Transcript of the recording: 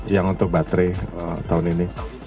yang untuk baterai tahun ini